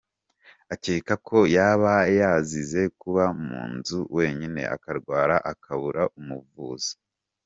Akeka ko yaba yazize kuba mu nzu wenyine akarwara akabura umuvuza.